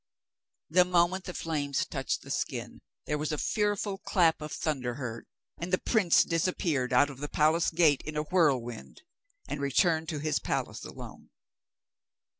The moment the flames touched the skin there was a fearful clap of thunder heard, and the prince disappeared out of the palace gate in a whirlwind, and returned to his palace alone.